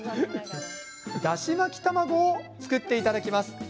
だし巻き卵を作っていただきます。